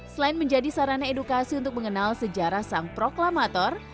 selain menjadi sarana edukasi untuk mengenal sejarah sang proklamator